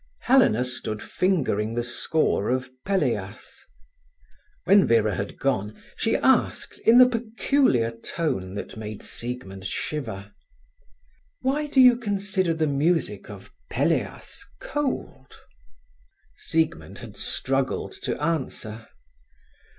Helena stood fingering the score of Pelléas. When Vera had gone, she asked, in the peculiar tone that made Siegmund shiver: "Why do you consider the music of Pelléas cold?" Siegmund had struggled to answer.